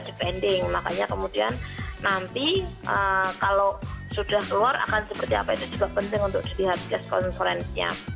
dipending makanya kemudian nanti kalau sudah keluar akan seperti apa itu juga penting untuk dilihat gas konferensinya